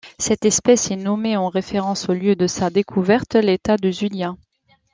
Cette espèce est nommée en référence au lieu de sa découverte, l'État de Zulia.